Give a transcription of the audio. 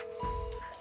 kita harus berjalan